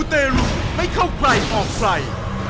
มูเตรุให้เข้าใกล้ออกไฟ